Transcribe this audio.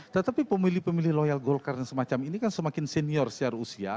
tetapi pemilih pemilih loyal golkar dan semacam ini kan semakin senior secara usia